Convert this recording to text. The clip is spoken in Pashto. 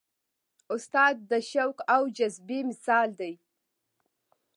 استاد د شوق او جذبې مثال دی.